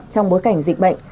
trong bối cảnh dịch bệnh